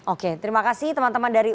oke terima kasih teman teman dari